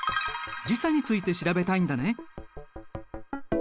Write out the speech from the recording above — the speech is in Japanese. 時差について調べたいんだね。